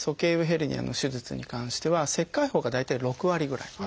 ヘルニアの手術に関しては切開法が大体６割ぐらい。